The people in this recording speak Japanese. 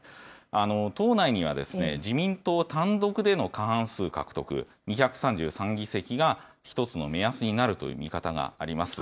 党内には自民党単独での過半数獲得、２３３議席が一つの目安になるという見方があります。